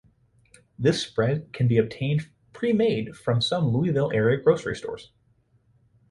This spread can be obtained pre-made from some Louisville area grocery stores.